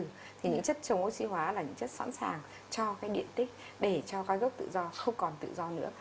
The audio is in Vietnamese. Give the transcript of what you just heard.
những chất chống oxy hóa là những chất sẵn sàng cho điện tích để cho các gốc tự do không còn tự do nữa